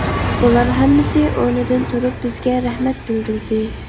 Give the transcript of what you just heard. ئۇلار ھەممىسى ئورنىدىن تۇرۇپ بىزگە رەھمەت بىلدۈردى.